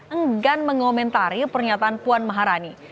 enggan mengomentari pernyataan puan maharani